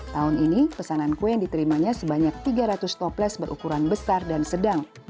tahun ini pesanan kue yang diterimanya sebanyak tiga ratus toples berukuran besar dan sedang